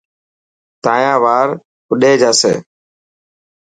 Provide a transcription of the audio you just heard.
تايان وار اوڏي جاسي.